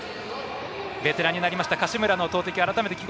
ベテランになりました柏村の投てき